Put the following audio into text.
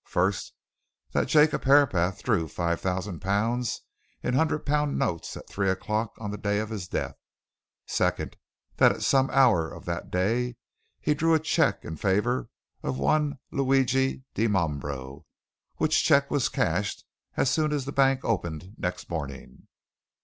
"First, that Jacob Herapath drew five thousand pounds in hundred pound notes at three o'clock on the day of his death. Second, that at some hour of that day he drew a cheque in favour of one Luigi Dimambro, which cheque was cashed as soon as the bank opened next morning."